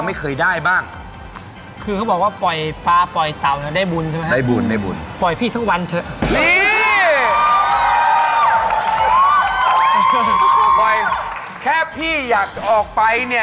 เมียดูแลหมดทุกอย่าง